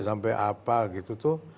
sampai apa gitu tuh